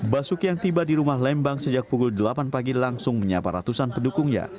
basuki yang tiba di rumah lembang sejak pukul delapan pagi langsung menyapa ratusan pendukungnya